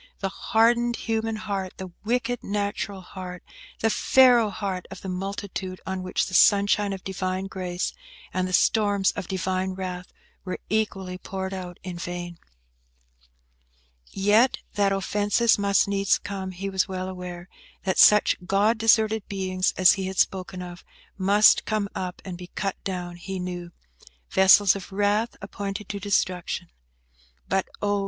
–the hardened human heart, the wicked natural heart, the Pharaoh heart of the multitude, on which the sunshine of Divine Grace and the storms of Divine wrath were equally poured out in vain. Yet, that "offences must needs come," he was well aware; that such God deserted beings as he had spoken of, must come up and be cut down, he knew: "vessels of wrath appointed to destruction." But, oh!